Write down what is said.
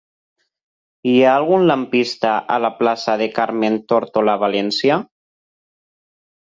Hi ha algun lampista a la plaça de Carmen Tórtola Valencia?